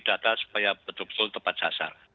data supaya betul betul tepat sasar